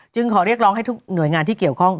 ขอเรียกร้องให้ทุกหน่วยงานที่เกี่ยวข้อง